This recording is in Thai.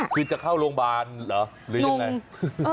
คือจะเข้าโรงพยาบาลหรือยังไงนุ่ม